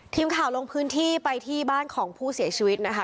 ทีมข่าวลงพื้นที่ไปที่บ้านของผู้เสียชีวิตนะคะ